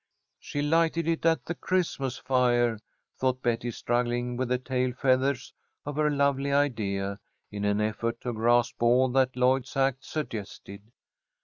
"She lighted it at the Christmas fire," thought Betty, struggling with the tail feathers of her lovely idea, in an effort to grasp all that Lloyd's act suggested.